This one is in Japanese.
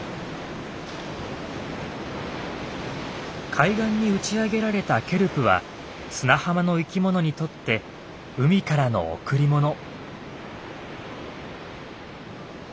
海岸に打ち上げられたケルプは砂浜の生きものにとって海からの贈りもの。